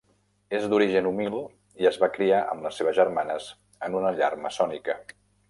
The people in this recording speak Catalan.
És d'origen humil i es va criar amb les seves germanes en una llar maçònica.